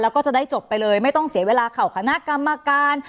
แล้วก็จะได้จบไปเลยไม่ต้องเสียเวลาเข่าคณะกรรมการ